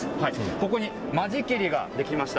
ここに間仕切りが出来ました。